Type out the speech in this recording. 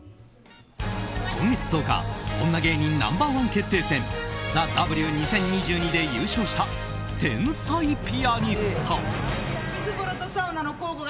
今月１０日女芸人ナンバー１決定戦「ＴＨＥＷ２０２２」で優勝した天才ピアニスト。